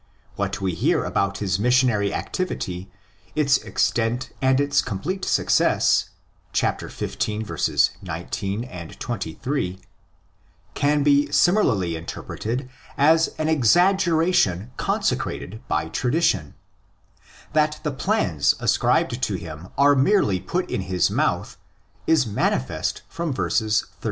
What we hear about his missionary activity, its extent and its complete success (xv. 19, 28), can be similarly interpreted as an exaggeration ''consecrated'' by tradition. That the plans ascribed to him are merely put in his mouth is manifest from verses 80 31.